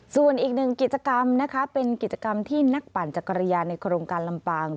ส่วนอีกหนึ่งกิจกรรมนะคะเป็นกิจกรรมที่นักปั่นจักรยานในโครงการลำปาง